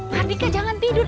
mardika jangan tidur